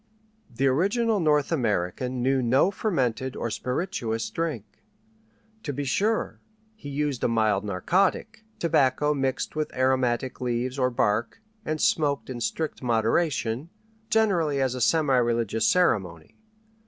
The original North American knew no fermented or spirituous drink. To be sure, he used a mild narcotic tobacco mixed with aromatic leaves or bark, and smoked in strict moderation, generally as a semi religious ceremony.